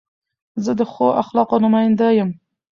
زه د ښو اخلاقو نماینده یم.